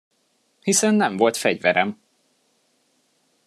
Hiszen nem volt fegyverem!